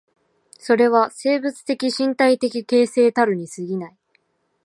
それは生物的身体的形成たるに過ぎない。